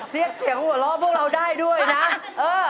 เรียกเสียงหัวเราะพวกเราได้ด้วยนะเออ